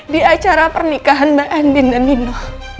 di acara pernikahan mbak andin dan nino